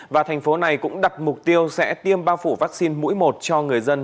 và thành phố này cũng đặt mục tiêu sẽ tiêm bao phủ vaccine mũi một cho người dân